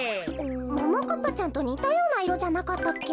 ももかっぱちゃんとにたようないろじゃなかったっけ。